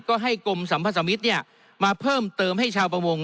ก็ให้กรมสัมพสมิตรมาเพิ่มเติมให้ชาวประวง